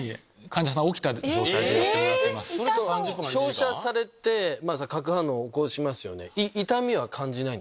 照射されて核反応起こしますよね。